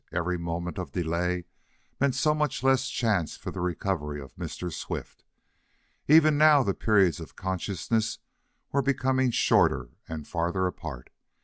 Every moment of delay meant so much less chance for the recovery of Mr. Swift. Even now the periods of consciousness were becoming shorter and farther apart.